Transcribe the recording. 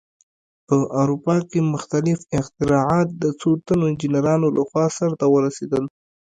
په اروپا کې مختلف اختراعات د څو تنو انجینرانو لخوا سرته ورسېدل.